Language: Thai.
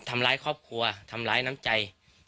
ทำร้ายครอบครัวทำร้ายน้ำใจ